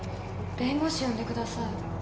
「弁護士呼んでください」